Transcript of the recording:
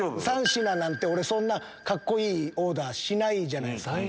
３品なんてそんなカッコいいオーダーしないじゃないですか。